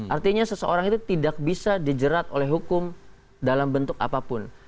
artinya seseorang itu tidak bisa dijerat oleh hukum dalam bentuk apapun